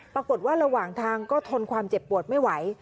ปรากฏว่าระหว่างทางก็ทนความเจ็บปวดไม่ไหว